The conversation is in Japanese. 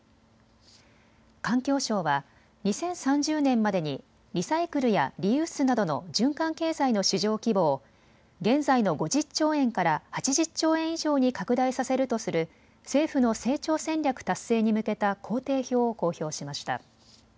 環境省は２０３０年までにリサイクルやリユースなどの循環経済の市場規模を現在の５０兆円から８０兆円以上に拡大させるとする政府の成長戦略達成に向けた工程表を公表しました。